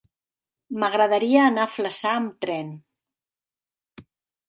M'agradaria anar a Flaçà amb tren.